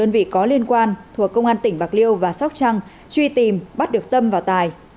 đơn vị có liên quan thuộc công an tỉnh bạc liêu và sóc trăng truy tìm bắt được tâm và tài